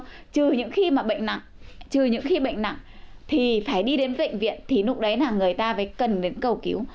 trừ những khi mà bệnh nặng trừ những khi bệnh nặng thì phải đi đến bệnh viện thì lúc đấy là người ta phải cần đến cầu cứu